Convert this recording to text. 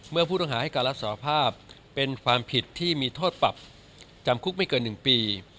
เมื่อผู้ต้องหาให้การรับสารภาพเป็นความผิดที่มีโทษปรับจำคุกไม่เกิน๑ปี